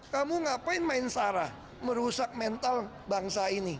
kamu ngapain main sara merusak mental bangsa ini